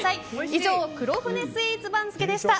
以上、黒船スイーツ番付でした。